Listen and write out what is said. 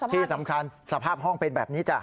ที่สำคัญสภาพห้องเป็นแบบนี้จ้ะ